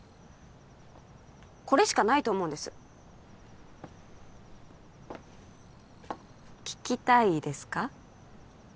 これしかないと思うんです聞きたいですか？